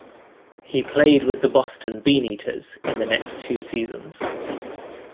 He played with the Boston Beaneaters in the next two seasons.